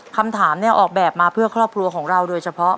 คำถามเนี่ยออกแบบมาเพื่อครอบครัวของเราโดยเฉพาะ